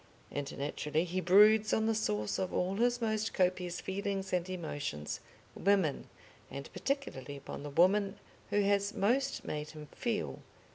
And naturally he broods on the source of all his most copious feelings and emotions, women, and particularly upon the woman who has most made him feel.